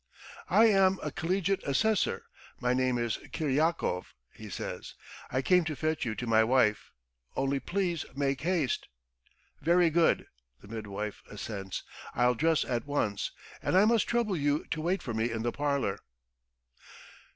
"I am a collegiate assessor, my name is Kiryakov," he says. "I came to fetch you to my wife. Only please make haste." "Very good ..." the midwife assents. "I'll dress at once, and I must trouble you to wait for me in the parlour."